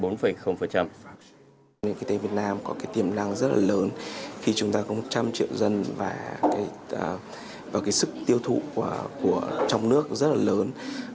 nền kinh tế việt nam có tiềm năng rất là lớn khi chúng ta có một trăm linh triệu dân và sức tiêu thụ trong nước rất là lớn